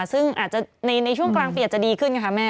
ซึ่งในช่วงกลางเตียดจะดีขึ้นค่ะแม่